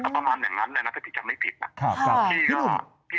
ประมาณอย่างนั้นแหละนะพิกัดไม่ผิด